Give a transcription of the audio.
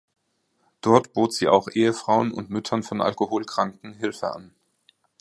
Dort bot sie auch Ehefrauen und Müttern von Alkoholkranken Hilfe an.